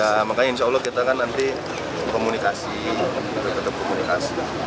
ya makanya insya allah kita kan nanti komunikasi tetap komunikasi